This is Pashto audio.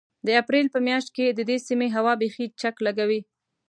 د اپرېل په مياشت کې د دې سيمې هوا بيخي چک لګوي.